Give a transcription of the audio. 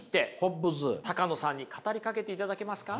高野さんに語りかけていただけますか？